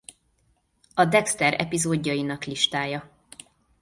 A Dexter epizódjainak listája